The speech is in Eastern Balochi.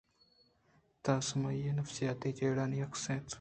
تہہ سمائی(نفسیاتی) جیڑہانی عکس اِنت